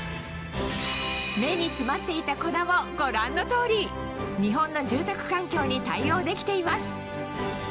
目に詰まっていた粉もご覧の通り日本の住宅環境に対応できています